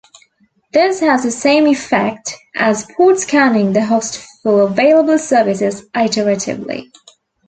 This has the same effect as port scanning the host for available services iteratively.